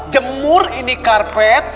jemur ini karpet